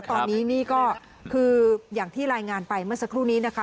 ตอนนี้นี่ก็คืออย่างที่รายงานไปเมื่อสักครู่นี้นะคะ